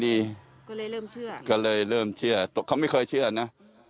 ก็เลยเริ่มเชื่อก็เลยเริ่มเชื่อแต่เขาไม่เคยเชื่อนะ